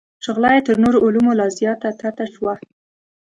شغله یې تر نورو علومو لا زیاته تته شوه.